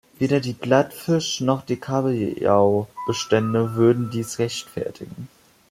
Weder die Plattfischnoch die Kabeljaubestände würden dies rechtfertigen.